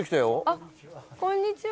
あっこんにちは。